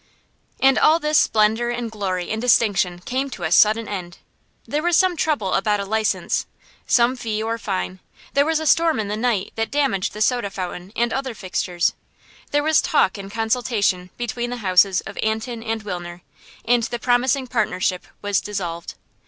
And all this splendor and glory and distinction came to a sudden end. There was some trouble about a license some fee or fine there was a storm in the night that damaged the soda fountain and other fixtures there was talk and consultation between the houses of Antin and Wilner and the promising partnership was dissolved.